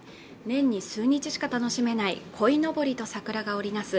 年に数日しか楽しめないこいのぼりと桜が織りなす